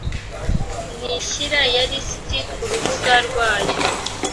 ntishyira ya lisiti ku rubuga rwayo